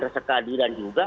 rasa keadilan juga